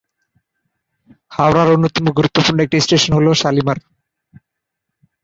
হাওড়ার অন্যতম গুরুত্বপূর্ণ একটি স্টেশন হল শালিমার।